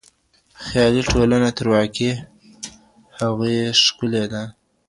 خيالي ټولنه تر واقعي هغې ښکلې ده.